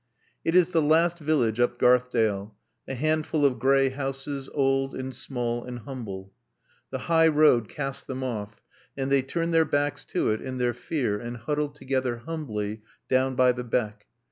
It is the last village up Garthdale; a handful of gray houses, old and small and humble. The high road casts them off and they turn their backs to it in their fear and huddle together, humbly, down by the beck.